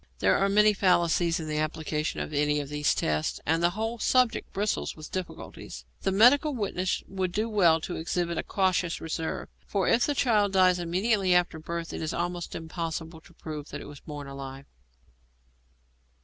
There are many fallacies in the application of any of these tests, and the whole subject bristles with difficulties. The medical witness would do well to exhibit a cautious reserve, for if the child dies immediately after birth it is almost impossible to prove that it was born alive.